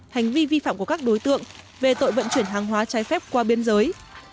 hành vi vi phạm của các đối tượng về tội vận chuyển hàng hóa trái phép qua biên giới